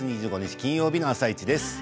金曜日の「あさイチ」です。